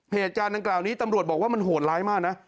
เหตุการณ์ดังกล่าวนี้ตำรวจบอกว่ามันโหดร้ายมากนะ